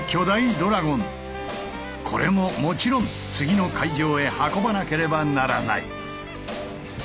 これももちろん次の会場へ運ばなければならない。